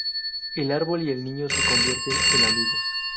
El árbol y el niño se convierten en amigos.